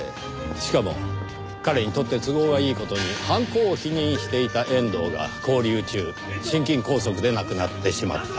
しかも彼にとって都合がいい事に犯行を否認していた遠藤が勾留中心筋梗塞で亡くなってしまった。